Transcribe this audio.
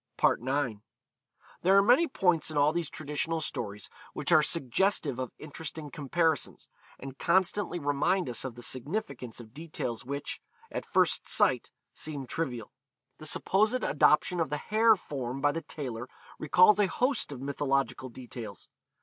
IX. There are many points in all these traditional stories which are suggestive of interesting comparisons, and constantly remind us of the significance of details which, at first sight, seem trivial. The supposed adoption of the hare form by the tailor recalls a host of mythological details.